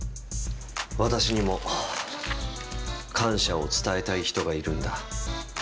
私にも感謝を伝えたい人がいるんだ。